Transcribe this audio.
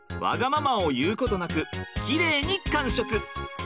わがままを言うことなくきれいに完食！